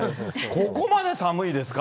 ここまで寒いですか？